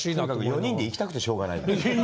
４人で行きたくてしょうがない。